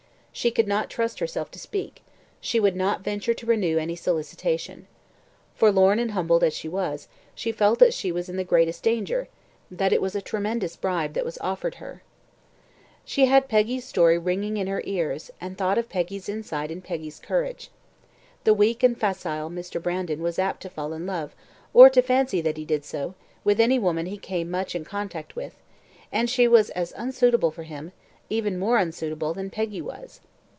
She could not trust herself to speak; she would not venture to renew any solicitation. Forlorn and humbled as she was, she felt that she was in the greatest danger; that it was a tremendous bribe that was offered to her. She had Peggy's story ringing in her ears, and thought of Peggy's insight and Peggy's courage. The weak and facile Mr. Brandon was apt to fall in love, or to fancy that he did so, with any woman he came in much contact with, and she was as unsuitable for him, even more unsuitable, than Peggy was.